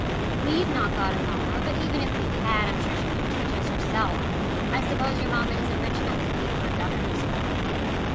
"We've not got a mamma, but even if we had I'm sure she wouldn't teach us herself. I suppose your mamma isn't rich enough to pay for a governess for you."